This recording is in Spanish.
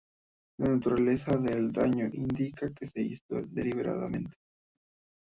La naturaleza del daño indica que se hizo deliberadamente.